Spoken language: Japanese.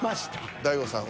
大悟さんは？